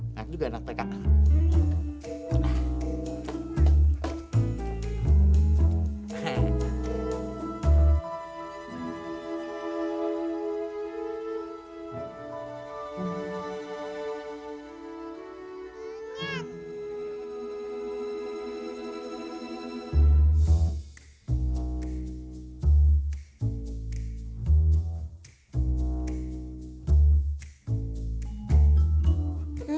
enak juga enak pekat